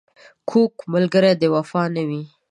کوږ ملګری د وفا نه وي